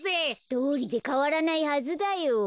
どうりでかわらないはずだよ。